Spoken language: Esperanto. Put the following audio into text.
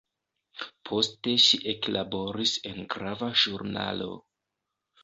Poste ŝi eklaboris en grava ĵurnalo.